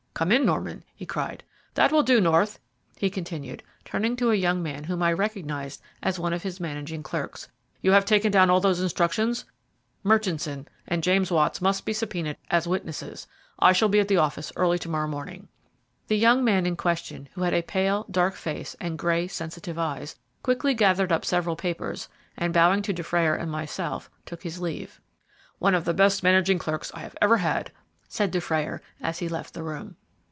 "Come in, Norman," he cried. "That will do, North," he continued, turning to a young man whom I recognized as one of his managing clerks. "You have taken down all those instructions? Murchinson and James Watts must be subpoenaed as witnesses. I shall be at the office early to morrow." The young man in question, who had a pale, dark face and grey, sensitive eyes, quickly gathered up several papers and, bowing to Dufrayer and myself, took his leave. "One of the best managing clerks I have ever had," said Dufrayer, as he left the room.